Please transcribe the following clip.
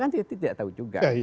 kita tidak tahu juga